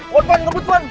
ngebut ngebut ngebut